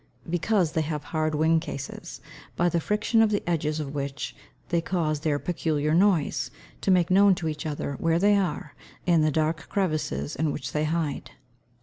_ Because they have hard wing cases, by the friction of the edges of which they cause their peculiar noise, to make known to each other where they are, in the dark crevices in which they hide.